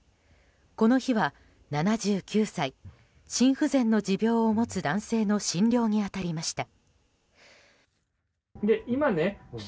この日は７９歳心不全の持病を持つ男性の診療に当たりました。